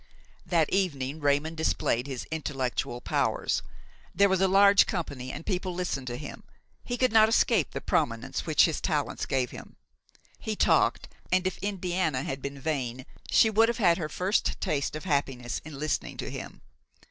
That evening Raymon displayed his intellectual powers. There was a large company and people listened to him; he could not escape the prominence which his talents gave him. He talked, and if Indiana had been vain she would have had her first taste of happiness in listening to him.